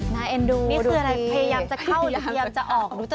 นาเอ็นดูนี่คืออะไรพยายามจะเข้าพยายามจะออกดูจะ